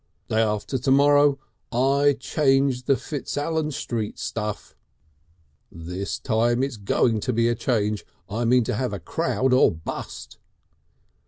Day after to morrow I change the Fitzallan Street stuff. This time, it's going to be a change. I mean to have a crowd or bust!"